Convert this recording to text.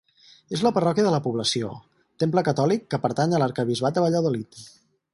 És la parròquia de la població, temple catòlic que pertany a l'arquebisbat de Valladolid.